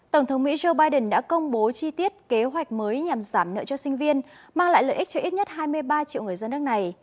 tổng thống mỹ joe biden đã công bố chi tiết kế hoạch mới nhằm giảm nợ cho sinh viên mang lại lợi ích cho ít nhất hai mươi ba triệu người dân nước này